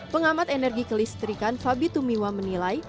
pengamat energi kelistrikan fabi tumiwa menilai